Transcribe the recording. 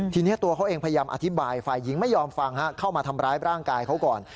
ทีนี้ตัวเขาเองพยายามอธิบายฝ่ายหญิงไม่ยอมฟังเข้ามาทำร้ายร่างกายเขาก่อน